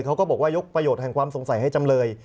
เขาก็บอกว่ายกประโยชน์แห่งความสงสัยให้จำเลย